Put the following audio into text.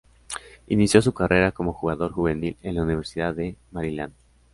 Inició su carrera como jugador juvenil en la Universidad de Maryland.